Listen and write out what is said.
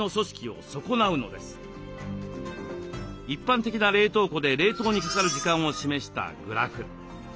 一般的な冷凍庫で冷凍にかかる時間を示したグラフ。